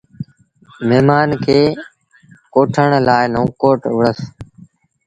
مهممآݩ کي ڪوٺڻ لآ نئون ڪوٽ وُهڙس۔